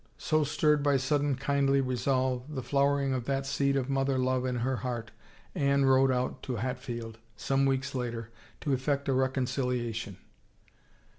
So stirred by sudden kindly resolve, the flowering of that seed of mother love in her heart, Anne rode out to Hat field, some weeks later, to effect a reconciliation.